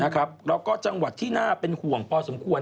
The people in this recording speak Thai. แล้วก็จังหวัดที่น่าเป็นห่วงพอสมควร